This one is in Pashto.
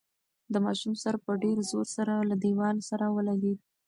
د ماشوم سر په ډېر زور سره له دېوال سره ولګېد.